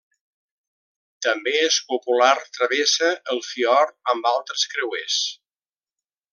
També és popular travessa el fiord amb altres creuers.